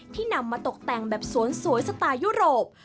นำมาตกแต่งแบบสวนสวยสไตล์ยุโรป